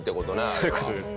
そういう事です。